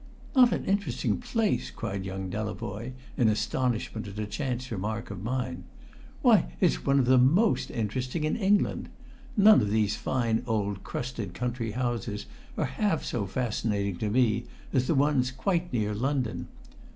"Not an interesting place?" cried young Delavoye, in astonishment at a chance remark of mine. "Why, it's one of the most interesting in England! None of these fine old crusted country houses are half so fascinating to me as the ones quite near London.